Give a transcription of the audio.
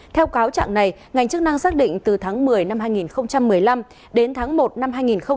theo cáo trạng này ngành chức năng xác định từ tháng một mươi năm hai nghìn một mươi năm đến tháng một năm hai nghìn một mươi chín